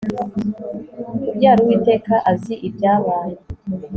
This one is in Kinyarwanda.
kubyara. uwiteka azi ibyabaye